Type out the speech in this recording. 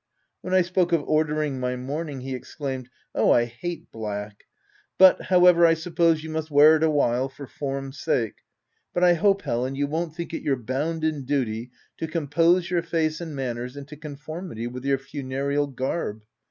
When I spoke of ordering my mourning, he exclaimed —" Oh, I hate black ! But however, I suppose you must wear it awhile, for form's sake ; but I hope, Helen, you won't think it your bounden duty to compose your face and manners into conformity with your funerial garb.